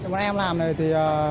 một em làm này thì